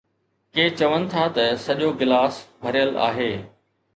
ڪي چون ٿا ته سڄو گلاس ڀريل آهي.